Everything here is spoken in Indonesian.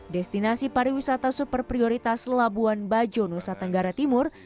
destinasi pariwisata super prioritas labuan bajo nusa tenggara timur